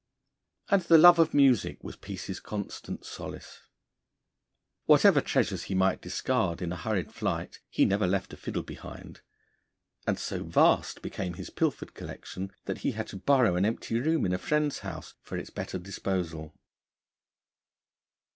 And the love of music was Peace's constant solace. Whatever treasures he might discard in a hurried flight, he never left a fiddle behind, and so vast became his pilfered collection that he had to borrow an empty room in a friend's house for its better disposal.